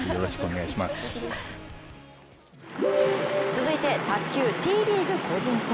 続いて卓球Ｔリーグ個人戦。